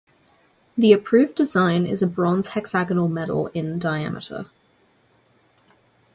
The approved design is a bronze hexagonal medal in diameter.